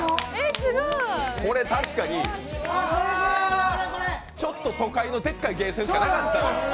これ、確かにちょっと都会のでっかいゲーセンにしかなかったのよ。